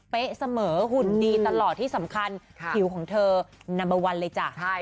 เสมอหุ่นดีตลอดที่สำคัญผิวของเธอนัมเบอร์วันเลยจ้ะ